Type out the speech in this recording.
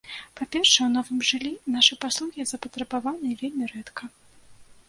Па-першае, у новым жыллі нашы паслугі запатрабаваныя вельмі рэдка.